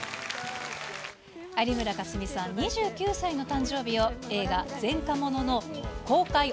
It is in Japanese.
有村架純さん、２９歳の誕生日を、映画、前科者の公開